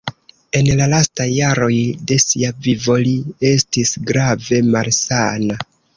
En la lastaj jaroj de sia vivo li estis grave malsana.